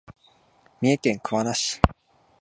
三重県桑名市